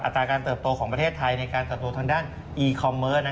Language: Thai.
ตราการเติบโตของประเทศไทยในการเติบโตทางด้านอีคอมเมอร์